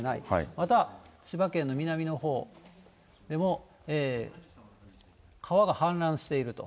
また千葉県の南のほうでも、川が氾濫していると。